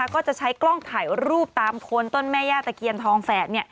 ก็จะใช้กล้องถ่ายรูปตามโคนต้นแม่ย่าตะเคียนทองแฝด